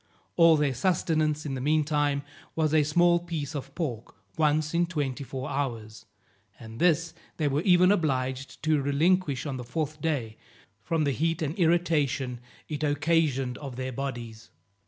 All their sustenance in the meantime was a small piece of pork once in twenty four hours, and this they were even obliged to relinquish on the fourth day, from the heat and irritation it occasioned of their bodies.